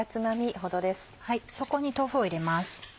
そこに豆腐を入れます。